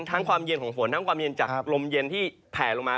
ความเย็นของฝนทั้งความเย็นจากลมเย็นที่แผลลงมา